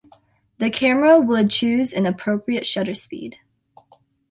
The camera would choose an appropriate shutter speed.